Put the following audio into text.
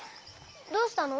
どうしたの？